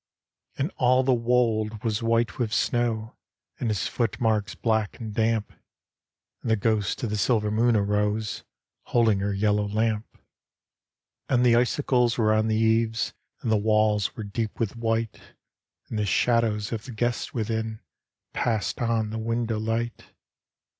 And all the wold was white with snow. And his foot marks black and damp. And the ghost of the silver Moon arose. Holding her yellow lamp. And the icicles were on the eaves. And the walls were deep with white, And the shadows of the guests within Passed on the window light.